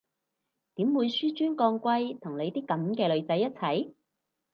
點會紓尊降貴同你啲噉嘅女仔一齊？